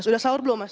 sudah sahur belum mas